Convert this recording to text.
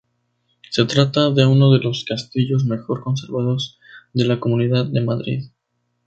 Se trata de uno de los castillos mejor conservados de la Comunidad de Madrid.